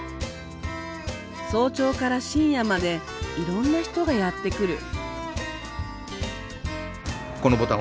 早朝から深夜までいろんな人がやって来る。